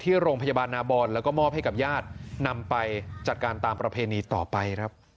ที่โรงพยาบาลนาบอลแล้วก็มอบให้กับญาติ